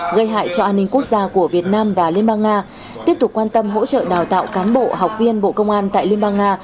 gây hại cho an ninh quốc gia của việt nam và liên bang nga tiếp tục quan tâm hỗ trợ đào tạo cán bộ học viên bộ công an tại liên bang nga